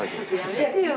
やめてよ。